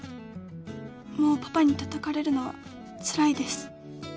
「もうパパに叩かれるのはつらいです」